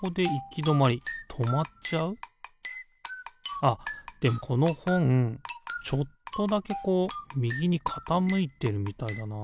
あっでこのほんちょっとだけこうみぎにかたむいてるみたいだな。